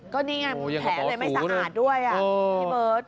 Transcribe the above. ก็นี่ไงแผลเลยไม่สะอาดด้วยพี่เบิร์ต